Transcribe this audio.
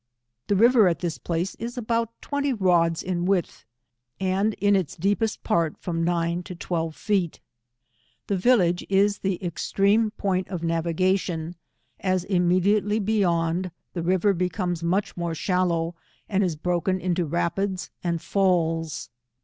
The river at this place is about twenty rods in width, and, in its deepest part, from nine to twelve feet. This village is the extreme point of navigation, as immediately beyond, the river becomes much more shallow, and is broken into falls and rapids.